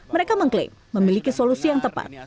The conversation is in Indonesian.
mereka mengklaim memiliki solusi yang tepat